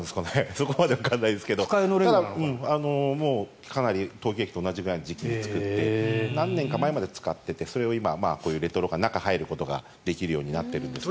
そこまでわからないですがかなり東京駅と同じぐらいの時期に作って何年か前まで使っていて中に入ることができるようになっているんですけど。